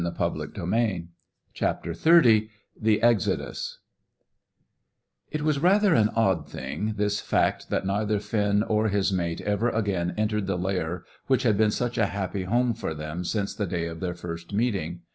CHAPTER XXX THE EXODUS It was rather an odd thing, this fact that neither Finn or his mate ever again entered the lair which had been such a happy home for them since the day of their first meeting.